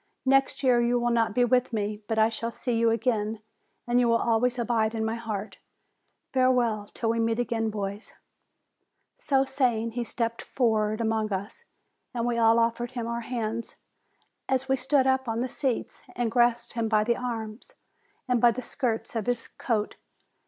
Next year you will not be with me; but I shall see you again, and you will always abide in my heart. Farewell until we meet again, boys !" So saying, he stepped forward among us, and we all offered him our hands, as we stood up on the seats, and grasped him by the arms, and by the skirts of his coat.